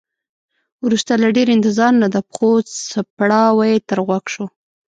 وروسته له ډیر انتظار نه د پښو څپړاوی تر غوږ شو.